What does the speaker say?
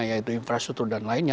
yaitu infrastruktur dan lainnya